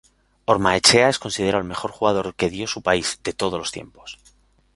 Ormaechea es considerado el mejor jugador que dio su país, de todos los tiempos.